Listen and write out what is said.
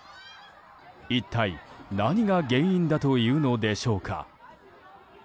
一体、何が原因だというのでしょうか。